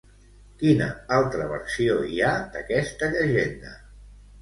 Quina altra versió hi ha d'aquesta llegenda?